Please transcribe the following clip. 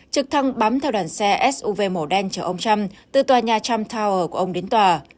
trực thăng bám theo đoàn xe suv màu đen chở ông trump từ tòa nhà tram tower của ông đến tòa